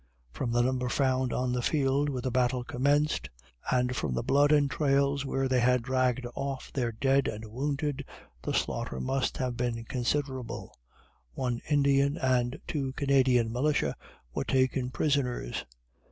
From the number found on the field where the battle commenced, and from the blood and trails where they had dragged off their dead and wounded, the slaughter must have been considerable. One Indian and two Canadian militia were taken prisoners.